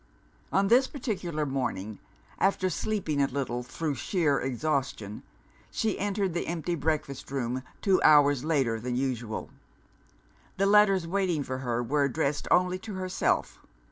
On this particular morning (after sleeping a little through sheer exhaustion), she entered the empty breakfast room two hours later than usual. The letters waiting for her were addressed only to herself.